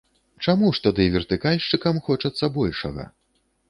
Чаму ж тады вертыкальшчыкам хочацца большага?